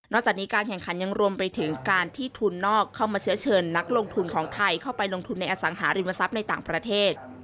จากนี้การแข่งขันยังรวมไปถึงการที่ทุนนอกเข้ามาเชื้อเชิญนักลงทุนของไทยเข้าไปลงทุนในอสังหาริมทรัพย์ในต่างประเทศ